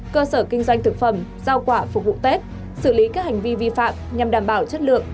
cơ sở kinh doanh thực phẩm giao quả phục vụ tết xử lý các hành vi vi phạm nhằm đảm bảo chất lượng